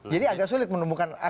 jadi agak sulit menemukan